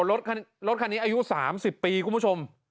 รถคันนี้อายุ๓๐ปีคุณผู้ชม